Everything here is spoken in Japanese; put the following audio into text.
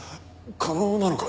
可能なのか？